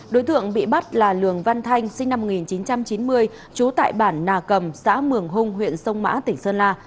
đối tượng bị bắt là lường văn thanh sinh năm một nghìn chín trăm chín mươi trú tại bản nà cầm xã mường hung huyện sông mã tỉnh sơn la